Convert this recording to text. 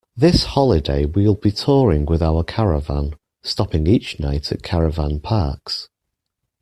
This holiday we’ll be touring with our caravan, stopping each night at caravan parks